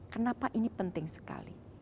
kenapa ini penting sekali